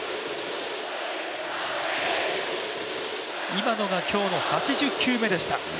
今のが今日の８０球目でした。